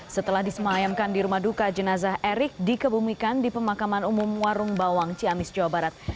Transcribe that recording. setelah disemayamkan di rumah duka jenazah erick dikebumikan di pemakaman umum warung bawang ciamis jawa barat